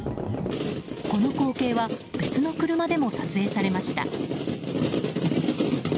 この光景は別の車でも撮影されました。